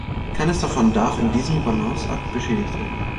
Keines davon darf in diesem Balanceakt beschädigt werden.